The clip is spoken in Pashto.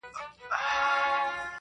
هره ورځ به يې د شپې لور ته تلوار وو!.